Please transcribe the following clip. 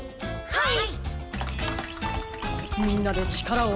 はい！